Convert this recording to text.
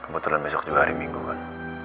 kebetulan besok juga hari minggu kan